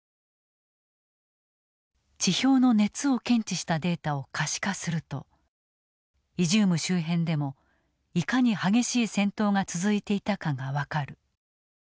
地表の熱を検知したデータを可視化するとイジューム周辺でもいかに激しい戦闘が続いていたかが分かる。